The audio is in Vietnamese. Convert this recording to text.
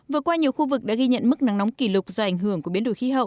vừa qua nhiều khu vực đã ghi nhận mức nắng nóng kỷ lục do ảnh hưởng của biến đổi khí hậu